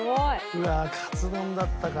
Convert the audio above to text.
うわあカツ丼だったか。